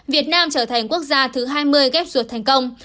việt nam trở thành quốc gia thứ hai mươi ghép ruột thành công